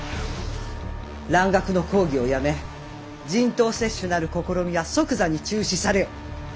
蘭学の講義をやめ人痘接種なる試みは即座に中止されよ！